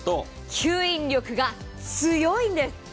吸引力が強いんです。